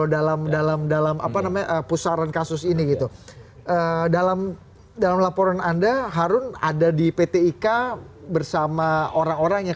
dan bukan partai maka ngapain partai